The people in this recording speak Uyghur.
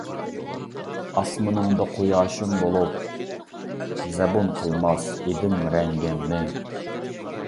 ئاسمىنىڭدا قۇياشىڭ بولۇپ، زەبۇن قىلماس ئىدىم رەڭگىڭنى.